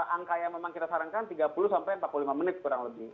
angka yang memang kita sarankan tiga puluh sampai empat puluh lima menit kurang lebih